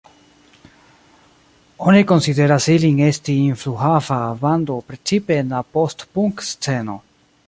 Oni konsideras ilin esti influhava bando precipe en la post-punk-sceno.